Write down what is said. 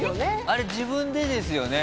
あれ自分でですよね？